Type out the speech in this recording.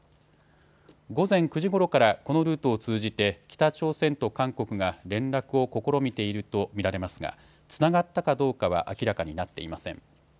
午前９時ごろからこのルートを通じて北朝鮮と韓国が連絡を試みていると見られますがつながったかどうかは明らかになっていません。